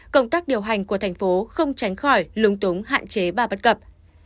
công tác điều hành của thành phố không tránh khỏi lúng túng hạn chế và bất cập